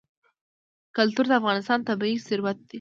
کلتور د افغانستان طبعي ثروت دی.